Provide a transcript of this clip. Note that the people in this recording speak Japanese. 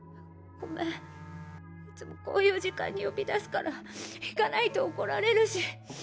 ごめんいつもこういう時間に呼び出すから行かないと怒られるし。